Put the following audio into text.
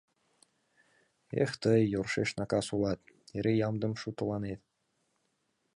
Эх, тый, йӧршеш Накас улат, эре ямдым шутыланет.